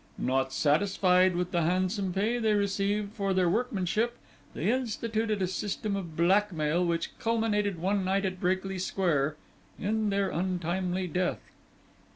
Not satisfied with the handsome pay they received for their workmanship, they instituted a system of blackmail which culminated one night at Brakely Square in their untimely death."